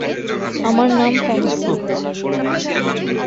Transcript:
আমার নাম Feng she.